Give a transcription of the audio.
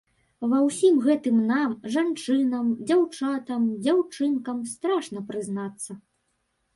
Ва ўсім гэтым нам, жанчынам, дзяўчатам, дзяўчынкам, страшна прызнацца.